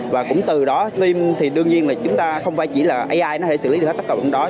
và cũng từ đó tìm thì đương nhiên là chúng ta không phải chỉ là ai nó sẽ xử lý được hết tất cả những cái đó